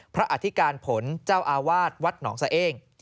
อธิการผลเจ้าอาวาสวัดหนองสะเอ้ง